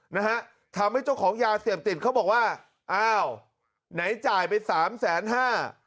นะฮะทำให้เจ้าของยาเสพติดเขาบอกว่าอ้าวไหนจ่ายไปสามแสนห้า